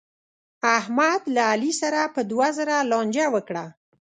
احمد له علي سره په دوه زره لانجه وکړه.